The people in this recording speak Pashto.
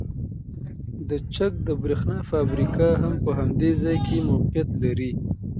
د چک د بریښنا فابریکه هم په همدې ځای کې موقیعت لري